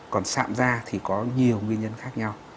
còn sạm da thì có nhiều nguyên nhân khác nhau